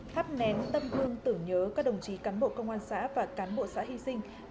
thắp nén tâm hương tưởng nhớ các đồng chí cán bộ công an xã và cán bộ xã hy sinh